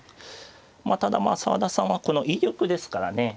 まあただ澤田さんはこの居玉ですからね。